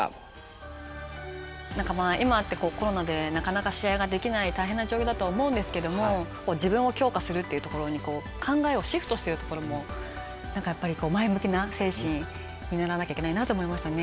今ってコロナでなかなか試合ができない大変な状況だと思うんですけども自分を強化するっていうところに考えをシフトしてるところもなんかやっぱり前向きな精神見習わなきゃいけないなと思いましたね。